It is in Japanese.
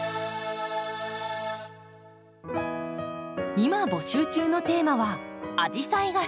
今募集中のテーマは「アジサイが好き！」。